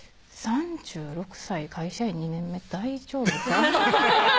３６歳会社員２年目大丈夫か？